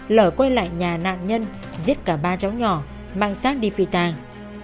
lở quay lại nhà nạn nhân giết cả ba cháu nhỏ mang sát đi phi tàng